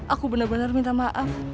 aku benar benar minta maaf